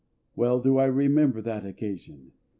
Well do I remember that occasion.